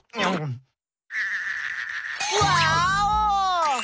ワーオ！